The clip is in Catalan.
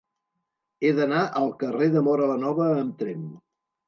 He d'anar al carrer de Móra la Nova amb tren.